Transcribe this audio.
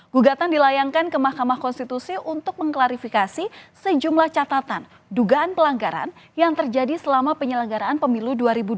gugatan dilayangkan ke mahkamah konstitusi untuk mengklarifikasi sejumlah catatan dugaan pelanggaran yang terjadi selama penyelenggaraan pemilu dua ribu dua puluh